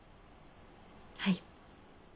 はい。